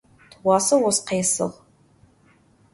Tığuase vos khêsığ.